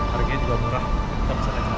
harganya juga murah kita pesen aja